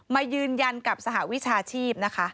มายืนยันกับสหวิชาชีพนะคะ